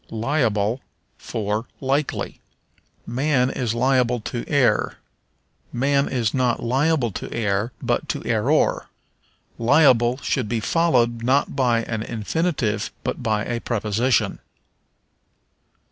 Liable for Likely. "Man is liable to err." Man is not liable to err, but to error. Liable should be followed, not by an infinitive, but by a preposition.